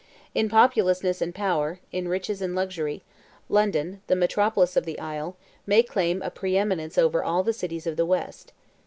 In populousness and power, in richness and luxury, London, 26 the metropolis of the isle, may claim a preeminence over all the cities of the West.